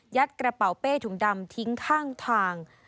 กระเป๋าเป้ถุงดำทิ้งข้างทาง